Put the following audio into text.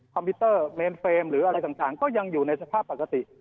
พิวเตอร์เมนเฟรมหรืออะไรต่างก็ยังอยู่ในสภาพปกติ